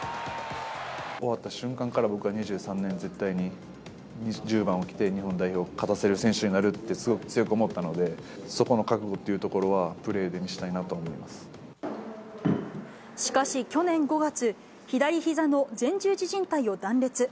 終わった瞬間から、僕は２３年、絶対に１０番を着て、日本代表を勝たせる選手になるって、強く思ったので、そこの覚悟っていうところは、プレーで見せたいしかし去年５月、左ひざの前十字じん帯を断裂。